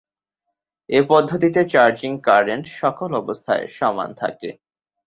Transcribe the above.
এ পদ্ধতিতে charging current সকল অবস্থায় সমান থাকে।